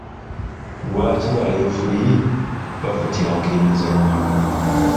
Lwaki ba lefuli bafutyanka emizannyo ?